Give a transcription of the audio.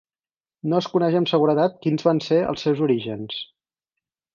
No es coneix amb seguretat quins van ser els seus orígens.